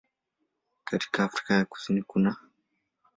Katika Afrika ya Mashariki kunaː